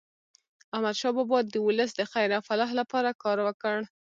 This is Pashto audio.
احمد شاه بابا د ولس د خیر او فلاح لپاره کار وکړ.